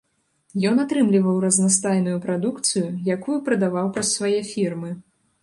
Ён атрымліваў разнастайную прадукцыю, якую прадаваў праз свае фірмы.